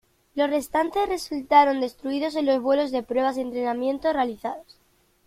Los restantes resultaron destruidos en los vuelos de pruebas y entrenamiento realizados.